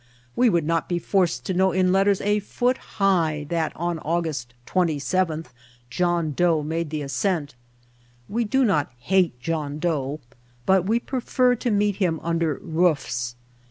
We would not be forced to know in letters a foot high that on August 27th, John Doe made the ascent. We do not hate John Doe, but we prefer to meet him under roofs.